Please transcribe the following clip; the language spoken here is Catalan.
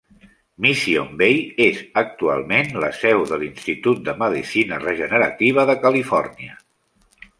Mission Bay és actualment la seu de l'Institut de Medicina Regenerativa de Califòrnia.